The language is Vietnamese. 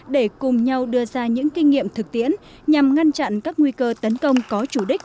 để cùng nhau đưa ra những kinh nghiệm thực tiễn nhằm ngăn chặn các nguy cơ tấn công có chủ đích